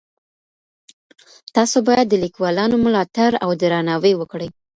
تاسو بايد د ليکوالانو ملاتړ او درناوی وکړئ.